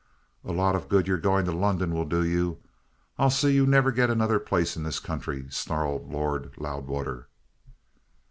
"A lot of good your going to London will do you. I'll see you never get another place in this country," snarled Lord Loudwater.